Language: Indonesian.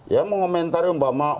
yang mengomentari bung donald